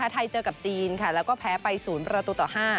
ไทยเจอกับจีนแล้วก็แพ้ไป๐ประตูต่อ๕